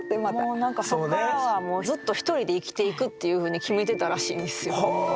もうそっからはもうずっと一人で生きていくっていうふうに決めてたらしいんですよ。